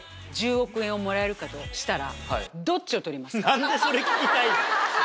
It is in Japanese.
何でそれ聞きたい？